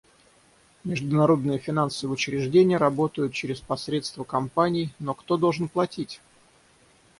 Международные финансовые учреждения работают через посредство компаний, но кто должен платить?